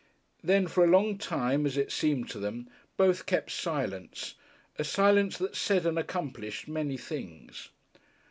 Then, for a long time, as it seemed to them, both kept silence, a silence that said and accomplished many things.